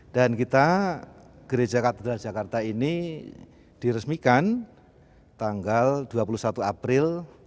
dan kita gereja katedral jakarta ini diresmikan tanggal dua puluh satu april seribu sembilan ratus satu